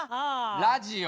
ラジオ。